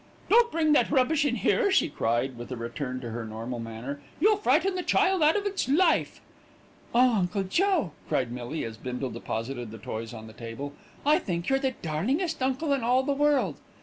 "Don't bring that rubbish in here," she cried with a return to her normal manner. "You'll frighten the child out of its life." "Oh! Uncle Joe," cried Millie, as Bindle deposited the toys on the table. "I think you're the darlingest uncle in all the world."